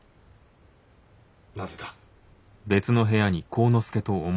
なぜだ？